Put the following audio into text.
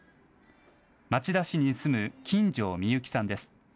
町田市に住む金城みゆきさんです。